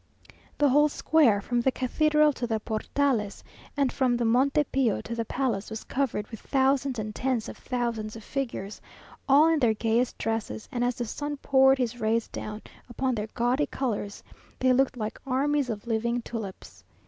The whole square, from the cathedral to the Portales, and from the Monte Pio to the palace, was covered with thousands and tens of thousands of figures, all in their gayest dresses, and as the sun poured his rays down upon their gaudy colours, they looked like armies of living tulips.